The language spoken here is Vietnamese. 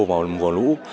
và mùa lũ